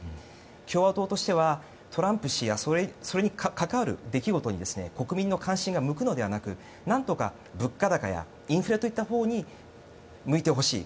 共和党としては、トランプ氏やそれに関わる出来事に国民の関心が向くのではなく何とか物価高やインフレといったほうに向いてほしい。